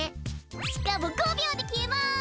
しかも５びょうできえます。